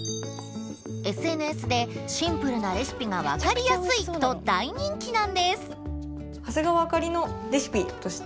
ＳＮＳで「シンプルなレシピが分かりやすい」と大人気なんです！